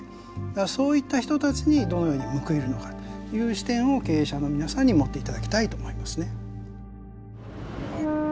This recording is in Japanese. だからそういった人たちにどのように報いるのかという視点を経営者の皆さんに持っていただきたいと思いますね。